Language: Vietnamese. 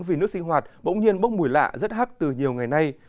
vì nước sinh hoạt bỗng nhiên bốc mùi lạ rất hắc từ nhiều ngày nay